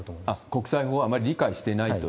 国際法をあまり理解していないと。